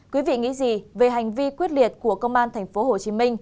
quý vị nghĩ gì về hành vi quyết liệt của công an tp hcm